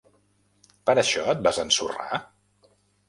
Per això et vas ensorrar?